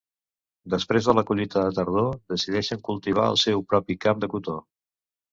Després de la collita de tardor, decideixen cultivar el seu propi camp de cotó.